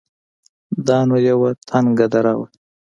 دا نو يوه تنگه دره وه.